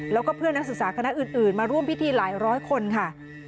แล้วก็เพื่อนนักศึกษาคณะอื่นมาร่วมพิธีหลายร้อยคนค่ะ